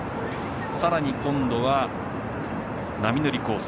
さらに今度は波乗りコース